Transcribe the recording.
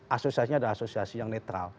asosiasinya adalah asosiasi yang netral